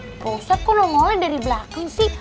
bapak ustadz kok lo ngoleng dari belakang sih